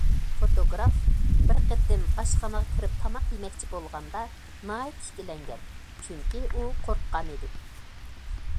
فوتوگراف بىر قېتىم ئاشخانىغا كىرىپ تاماق يېمەكچى بولغاندا ناھايىتى ئىككىلەنگەن، چۈنكى ئۇ قورققانىدى.